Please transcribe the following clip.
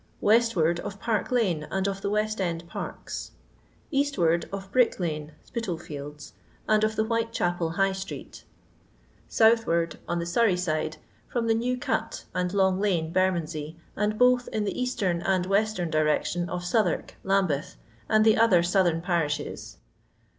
Westward of Park lane and of the West end parks. Eastward of Brick lane (Spitalfields) and of the Whitechapel High street Southwiird (on the Surrey side) firom the New cut and Long lane, Bcrmondsey, and both in the eastern and western direction of Southwark, Lambeth, and the other southern parishes.